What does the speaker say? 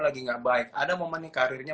lagi nggak baik ada momennya karirnya